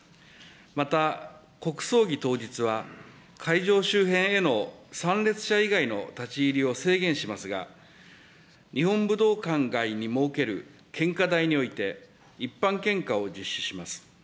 また国葬儀当日は、会場周辺への参列者以外の立ち入りを制限しますが、日本武道館外に設ける献花台において、一般献花を実施します。